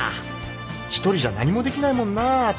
一人じゃ何もできないもんな虎は。